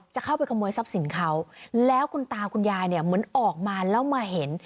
จะเข้าไปขโมยทรัพย์สินเขาแล้วคุณตาคุณยายเนี่ยเหมือนออกมาแล้วมาเห็น